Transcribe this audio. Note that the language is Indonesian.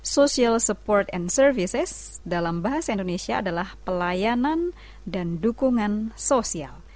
social support and services dalam bahasa indonesia adalah pelayanan dan dukungan sosial